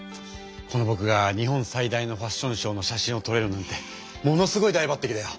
このぼくがにほん最大のファッションショーの写真をとれるなんてものすごいだいばってきだよ！